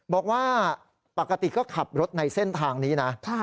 บอกว่าปกติก็ขับรถในเส้นทางนี้นะ